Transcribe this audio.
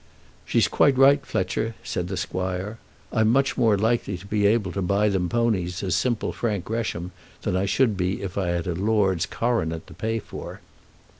"She's quite right, Fletcher," said the squire. "I'm much more likely to be able to buy them ponies as simple Frank Gresham than I should be if I had a lord's coronet to pay for."